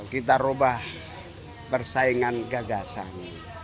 kita ubah persaingan gagasan